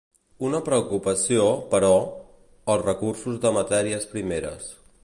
Una preocupació, però: els recursos de matèries primeres.